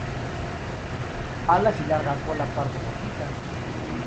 Alas y larga cola pardo rojiza.